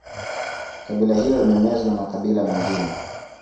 Kabila hilo limemezwa na makabila mengine